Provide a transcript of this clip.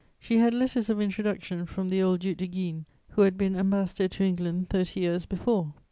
She had letters of introduction from the old Duc de Guignes, who had been Ambassador to England thirty years before.